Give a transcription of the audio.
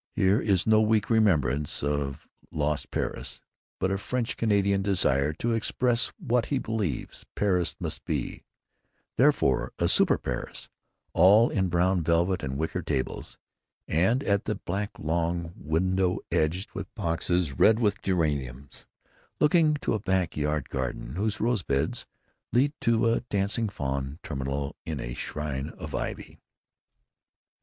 Here is no weak remembrance of a lost Paris, but a French Canadian's desire to express what he believes Paris must be; therefore a super Paris, all in brown velvet and wicker tables, and at the back a long window edged with boxes red with geraniums, looking to a back yard garden where rose beds lead to a dancing faun terminal in a shrine of ivy.